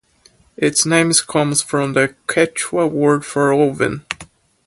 Its name comes from the Quechua word for "oven".